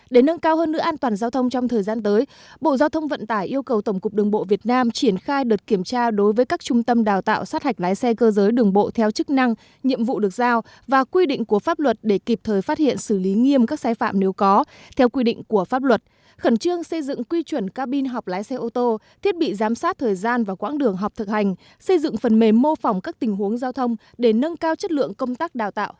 để nâng cao hơn nữa an toàn giao thông trong thời gian tới bộ giao thông vận tải yêu cầu tổng cục đường bộ việt nam triển khai đợt kiểm tra đối với các trung tâm đào tạo sát hạch lái xe cơ giới đường bộ theo chức năng nhiệm vụ được giao và quy định của pháp luật để kịp thời phát hiện xử lý nghiêm các sai phạm nếu có theo quy định của pháp luật khẩn trương xây dựng quy chuẩn cabin học lái xe ô tô thiết bị giám sát thời gian và quãng đường học thực hành xây dựng phần mềm mô phỏng các tình huống giao thông để nâng cao chất lượng công tác